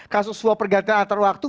kasus suapergantungan antar waktu